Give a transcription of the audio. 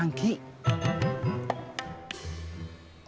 pengen baso cuanki